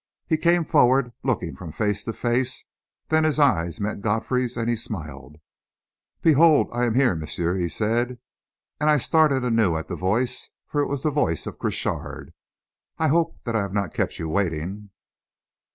He came forward, looking from face to face; then his eyes met Godfrey's and he smiled. "Behold that I am here, monsieur," he said and I started anew at the voice, for it was the voice of Crochard. "I hope that I have not kept you waiting."